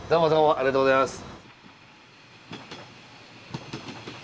ありがとうございます。